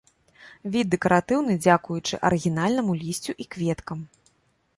Від дэкаратыўны дзякуючы арыгінальнаму лісцю і кветкам.